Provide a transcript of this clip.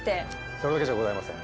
それだけじゃございません。